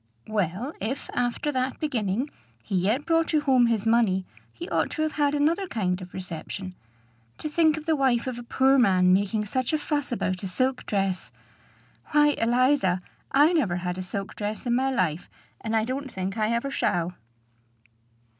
"Well, if, after that beginning, he yet brought you home his money, he ought to have had another kind of reception. To think of the wife of a poor man making such a fuss about a silk dress! Why, Eliza, I never had a silk dress in my life; and I don't think I ever shall."